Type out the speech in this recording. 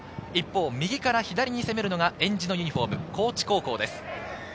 右から左に攻めるのがえんじのユニホーム高知高校です。